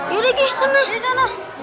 yaudah dek sana